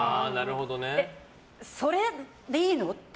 それでいいの？って。